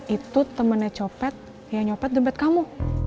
itu temennya copet yang nyopet dompet kamu